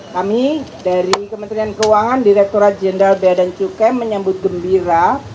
kami dari kementerian keuangan direkturat jenderal bea dan cukai menyambut gembira